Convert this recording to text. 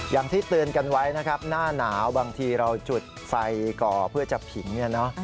อย่างที่เตือนกันไว้นะครับหน้าหนาวบางทีเราจุดไฟก่อเพื่อจะผิงเนี่ยเนอะ